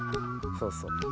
そうそう。